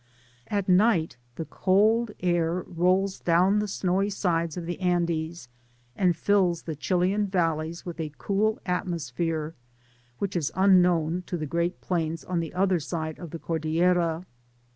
At night the cold air rolls down the snowy sides of the Andes, and fills the Chilian valleys with a cool atmosphere, which is unknown to the great plains on the other side of the Cordillera.